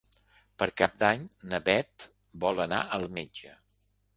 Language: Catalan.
Per Cap d'Any na Beth vol anar al metge.